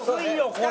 これ。